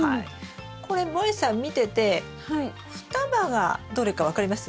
これもえさん見てて双葉がどれか分かります？